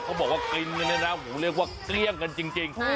เขาบอกว่าอุ่งคือเรียกว่าเกรี้ยงกันจริงอ้อ